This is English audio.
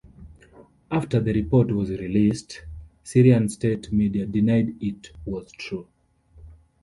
After the report was released, Syrian state media denied it was true.